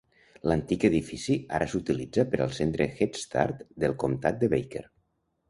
L'antic edifici ara s'utilitza per al Centre Headstart del comtat de Baker.